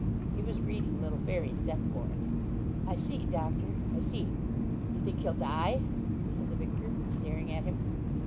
He was reading little Fairy's death warrant. 'I see, doctor I see; you think he'll die,' said the vicar, staring at him.